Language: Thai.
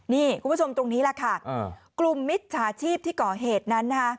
นี่คุณผู้ชมตรงนี้แหละค่ะกลุ่มมิจฉาชีพที่ก่อเหตุนั้นนะคะ